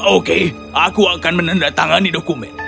oke aku akan menandatangani dokumen